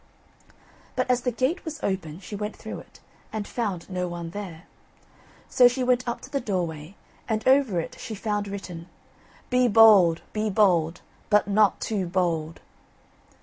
But as the gate was open, she went through it, and found no one there. So she went up to the doorway, and over it she found written: BE BOLD, BE BOLD, BUT NOT TOO BOLD.